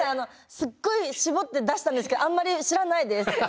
すっごい絞って出したんですけどあんまり知らないです。